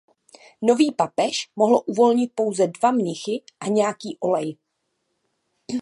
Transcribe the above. Nový papež mohl uvolnit pouze dva mnichy a nějaký olej.